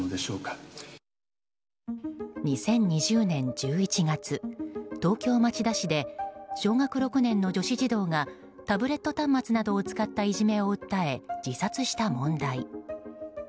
２０２０年１１月東京・町田市で小学６年の女子児童がタブレット端末などを使ったいじめを訴え、自殺した問題。